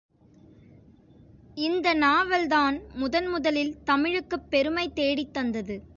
இந்த நாவல்தான் முதன் முதலில் தமிழுக்குப் பெருமை தேடித்தந்தது.